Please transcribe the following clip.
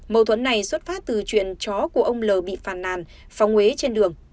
mâu thuẫn này xuất phát từ chuyện chó của ông l bị phàn nàn phòng uế trên đường